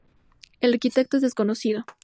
El arquitecto es desconocido.